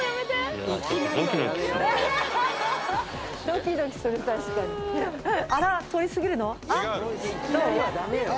ドキドキする確かに。